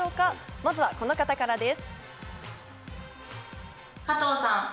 まずはこの方からです。